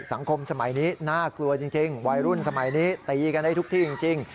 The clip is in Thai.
สังคมสมัยนี้น่ากลัวจริงวัยรุ่นสมัยนี้ตีกันได้ทุกที่จริง